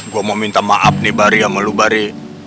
gua mau minta maaf nih bari sama lu bari